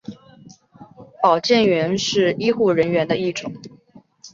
保健员是医护人员的一种。